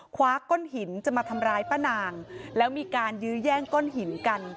คว้าก้อนหินจะมาทำร้ายป้านางแล้วมีการยื้อแย่งก้อนหินกัน